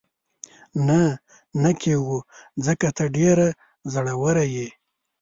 نه، نه کېږو، ځکه ته ډېره زړوره یې.